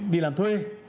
đi làm thuê